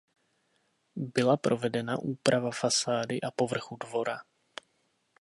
Byla provedena úprava fasády a povrchu dvora.